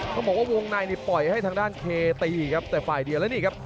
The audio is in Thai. ต้องบอกว่าวงในนี่ปล่อยให้ทางด้านเคตีครับแต่ฝ่ายเดียวแล้วนี่ครับ